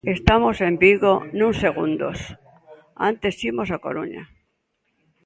Estamos en Vigo nuns segundos, antes imos á Coruña.